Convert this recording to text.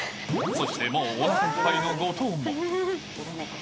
そしてもうおなかいっぱいの後藤も。